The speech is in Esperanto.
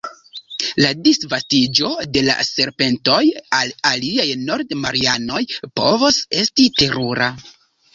La disvastiĝo de la serpentoj al aliaj Nord-Marianoj povos esti terura.